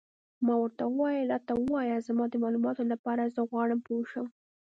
ما ورته وویل: راته ووایه، زما د معلوماتو لپاره، زه غواړم پوه شم.